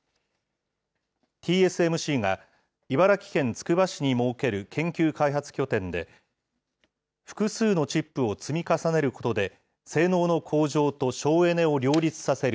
ＴＳＭＣが茨城県つくば市に設ける研究開発拠点で、複数のチップを積み重ねることで性能の向上と省エネを両立させる